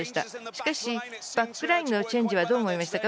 しかし、バックラインのチェンジはどう思いましたか？